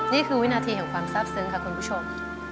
นี่คือวินาทีแห่งความทราบซึ้งค่ะคุณผู้ชม